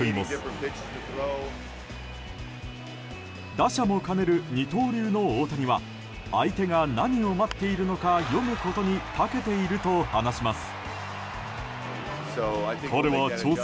打者も兼ねる二刀流の大谷は相手が何を待っているのか読むことにたけていると話します。